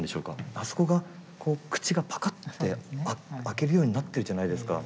あそこがこう口がパカッて開けるようになってるじゃないですか。